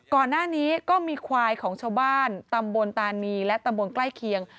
ก่อนหน้านี้ก็มีควายของชาวบ้านตำบลตานีและตำบลใกล้เคียง